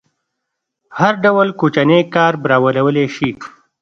هر ډول کوچنی کار برابرولی شي.